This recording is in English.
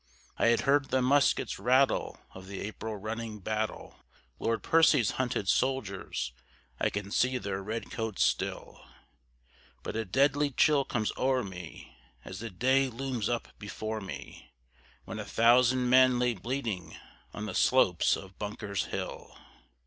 I had heard the muskets' rattle of the April running battle; Lord Percy's hunted soldiers, I can see their red coats still; But a deadly chill comes o'er me, as the day looms up before me, When a thousand men lay bleeding on the slopes of Bunker's Hill.